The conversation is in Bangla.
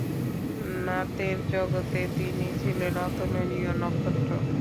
নাতের জগতে তিনি ছিলেন অতুলনীয় নক্ষত্র।